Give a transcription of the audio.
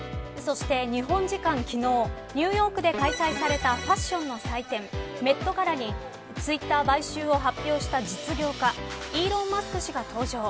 そして日本時間昨日ニューヨークで開催されたファッションの祭典メット・ガラにツイッター買収を発表した実業家イーロン・マスク氏が登場。